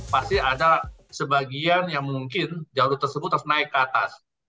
pasti ada sebagian yang mungkin jalur tersebut harus naik ke atas